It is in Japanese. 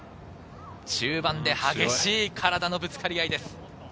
中盤で激しい体のぶつかり合いです。